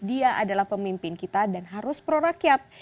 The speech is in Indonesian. dia adalah pemimpin kita dan harus pro rakyat